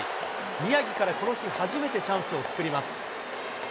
宮城からこの日、初めてチャンスを作ります。